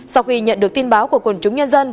sau khi nhận được tin báo của quần chúng nhân dân